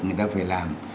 người ta phải làm